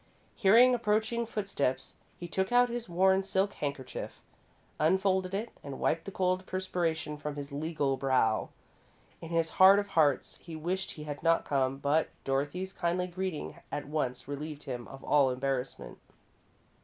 Hearing approaching footsteps, he took out his worn silk handkerchief, unfolded it, and wiped the cold perspiration from his legal brow. In his heart of hearts, he wished he had not come, but Dorothy's kindly greeting at once relieved him of all embarrassment.